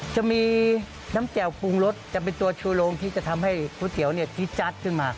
จะมีน้ำแจ่วปรุงรสจะเป็นตัวชูโรงที่จะทำให้ก๋วยเตี๋ยวที่จัดขึ้นมา